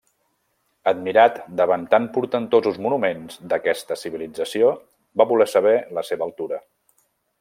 Admirat davant tan portentosos monuments d'aquesta civilització, va voler saber la seva altura.